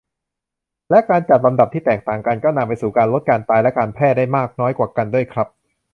และการจัดลำดับที่แตกต่างกัน ก็นำไปสู่การลดการตายและการแพร่ได้มากน้อยกว่ากันด้วยครับ